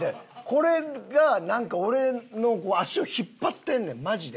これがなんか俺の足を引っ張ってんねんマジで。